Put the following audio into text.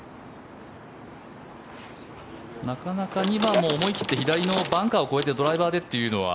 なかなか２番も思い切って左のバンカーを越えてドライバーでというのは。